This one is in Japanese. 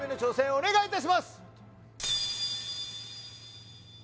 お願いいたします！